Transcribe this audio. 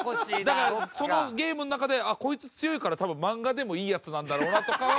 だからそのゲームの中でこいつ強いから多分漫画でもいいヤツなんだろうなとかは。